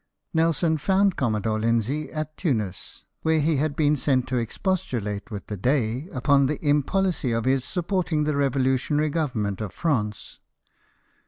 Nelson found Commodore Linzee at Tunis, where he had been sent to expostulate with the Dey upon he impolicy of his supporting the revolutionary Government of France.